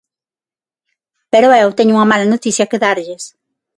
Pero eu teño unha mala noticia que darlles.